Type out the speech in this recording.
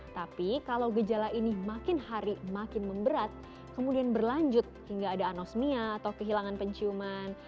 tapi kalau gejala ini makin hari makin memberat kemudian berlanjut hingga ada anosmia atau kehilangan penciuman